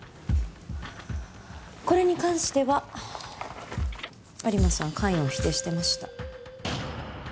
これに関しては有馬さん関与を否定してました。